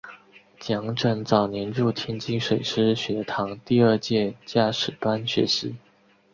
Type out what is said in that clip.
蒋拯早年入天津水师学堂第二届驾驶班学习。